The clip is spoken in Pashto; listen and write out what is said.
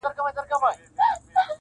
زاړه خبري بيا راژوندي کيږي,